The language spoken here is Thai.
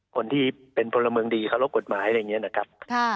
คนที่เป็นพลเมืองดีเคารพกฎหมายอะไรอย่างนี้นะครับ